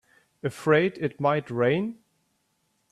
Afraid it might rain?